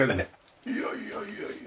いやいやいやいや。